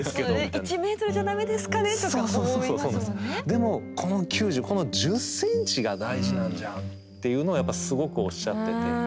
でもこの９０この１０ｃｍが大事なんじゃんっていうのはやっぱすごくおっしゃってて。